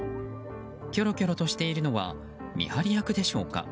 きょろきょろとしているのは見張り役でしょうか。